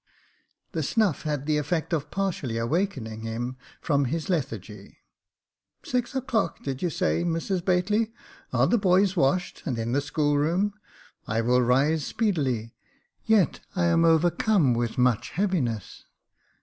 The snuff had the effect of partially awakening him from his lethargy. " Six o'clock — did you say, Mrs Bately .'' Are the boys washed — and in the schoolroom ? I will rise speedily — yet I am overcome with much heaviness.